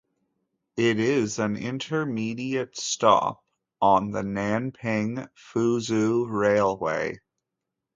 It is an intermediate stop on the Nanping–Fuzhou railway.